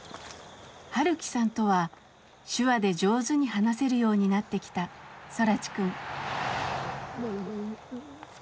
晴樹さんとは手話で上手に話せるようになってきた空知くん。